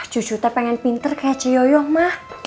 cucu teh pengen pinter kayak ciyoyo mah